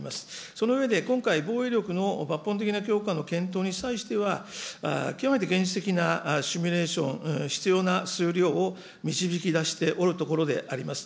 その上で、今回、防衛力の抜本的な強化の検討に際しては、極めて原始的なシミュレーション、必要な数量を導き出しておるところであります。